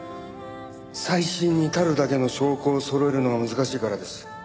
再審に足るだけの証拠をそろえるのが難しいからです。